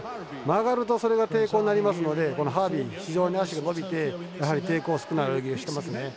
曲がるとそれが抵抗になりますのでハービー、非常に足が伸びて抵抗が少ない泳ぎをしていますね。